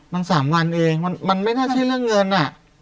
มัน๓วันเองมันไม่น่าใช่เรื่องเงินอ่ะ